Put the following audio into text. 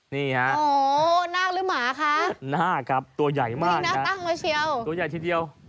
นี่ฮะน่าหรือหมาคะน่าครับตัวใหญ่มากนะตัวใหญ่ทีเดียว